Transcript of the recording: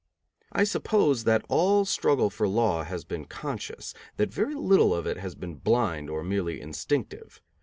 I suppose that all struggle for law has been conscious, that very little of it has been blind or merely instinctive.